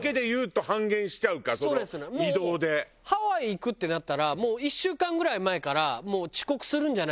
ハワイ行くってなったらもう１週間ぐらい前から。